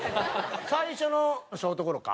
最初のショートゴロか。